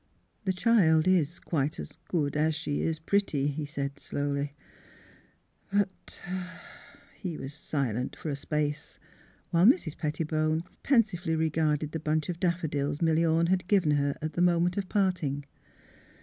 " The child is quite as good as she is pretty,'* he said, slowly. *' But " He was silent for a space, while Mrs. Pettibone pensively regarded the bunch of daffodils Milly Orne had given her at the moment of parting.